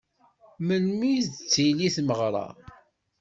Melmi i d-tettili tmegra?